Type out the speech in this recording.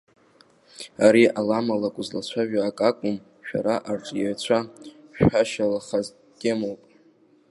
Ари аламалак узлацәажәо ак акәым, шәара арҿиаҩцәа шәҳәашьала, хаз темоуп.